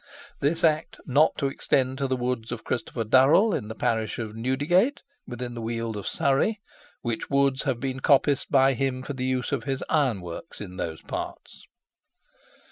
This Act not to extend to the woods of Christopher Durrell, in the parish of Newdigate, within the weald of Surrey, which woods have been coppiced by him for the use of his iron works in those parts."